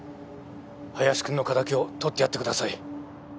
林君の敵を取ってやってください。